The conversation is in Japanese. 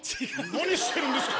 何してるんですか？